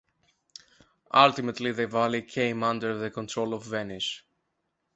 Ultimately the valley came under the control of Venice.